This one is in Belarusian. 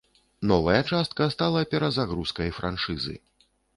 Новая частка стала перазагрузкай франшызы.